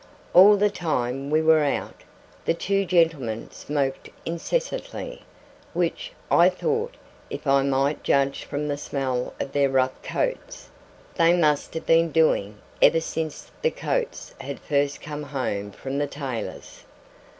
All the time we were out, the two gentlemen smoked incessantly which, I thought, if I might judge from the smell of their rough coats, they must have been doing, ever since the coats had first come home from the tailor's.